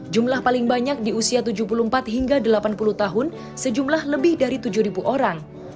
jumlah paling banyak di usia tujuh puluh empat hingga delapan puluh tahun sejumlah lebih dari tujuh orang